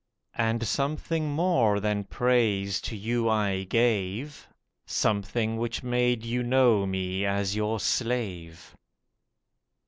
And something more than praise to you I gave— Something which made you know me as your slave.